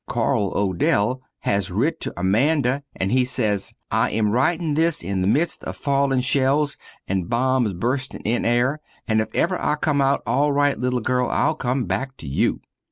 Carl Odell has writ to Amanda, and he sez, "I am writing this in the midst of falling shells and boms busting in air, but if ever I come out al rite little girl I'll come back to you."